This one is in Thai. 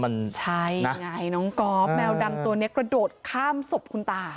มันใช่ไงน้องก๊อฟแมวดำตัวนี้กระโดดข้ามศพคุณตา